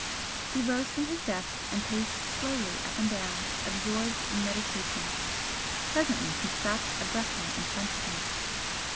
He rose from his desk and paced slowly up and down, absorbed in meditation. Presently he stopped abruptly in front of me.